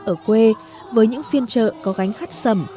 ở quê với những phiên trợ có gánh hát sầm